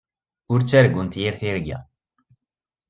Ur ttargunt yir tirga.